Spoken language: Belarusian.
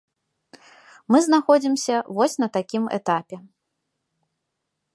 Мы знаходзімся вось на такім этапе.